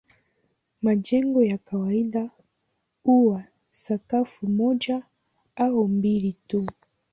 Majengo ya kawaida huwa sakafu moja au mbili tu.